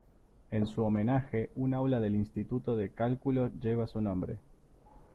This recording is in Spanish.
En su homenaje, un aula del Instituto de Cálculo lleva su nombre.